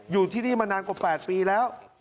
อยู่ที่นี่มานานกว่า๘ปีแล้ว